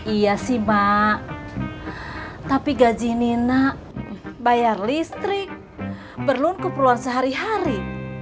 iya sih mak tapi gaji nina bayar listrik berlun ke peruan sehari hari